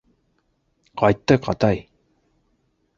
-Ҡайттыҡ, атай!